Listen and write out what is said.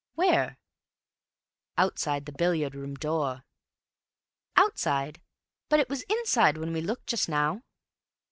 "Where? "Outside the billiard room door." "_Out_side? But it was inside when we looked just now."